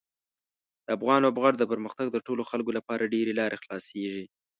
د افغان لوبغاړو د پرمختګ د ټولو خلکو لپاره ډېرې لارې خلاصیږي.